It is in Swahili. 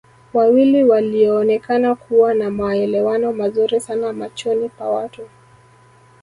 Wawili walioonekana kuwa na maelewano mazuri sana machoni pa watu